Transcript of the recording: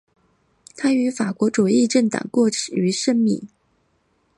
他与法国左翼政党过从甚密。